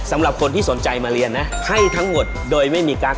สำหรับคนที่สนใจมาเรียนนะให้ทั้งหมดโดยไม่มีกั๊ก